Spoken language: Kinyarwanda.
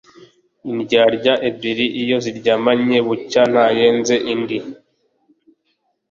Indyarya ebyiri iyo ziryamanye, bucya ntayenze indi.